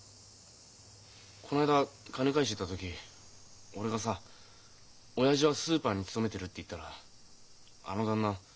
こないだ金返しに行った時俺がさ「親父はスーパーに勤めてる」って言ったらあの旦那